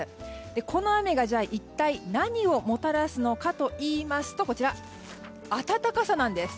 この雨が一体何をもたらすのかといいますと暖かさなんです。